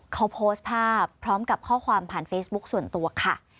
เขาโพสต์ภาพพร้อมกับข้อความผ่านเฟซบุ๊คส่วนตัวค่ะ